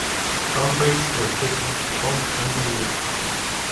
Drum brakes were fitted front and rear.